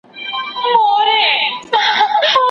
د جانان دي زکندن دی د سلګیو جنازې دي.